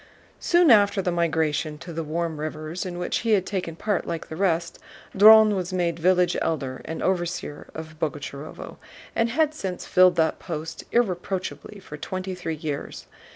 Soon after the migration to the "warm rivers," in which he had taken part like the rest, Dron was made village Elder and overseer of Boguchárovo, and had since filled that post irreproachably for twenty three years.